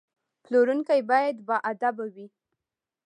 پلورونکی باید باادبه وي.